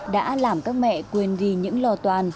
đã làm các mẹ quên đi những lo toan